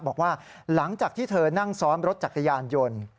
บอกว่าหลังจากที่เธอนั่งซ้อนรถจักรยานยนต์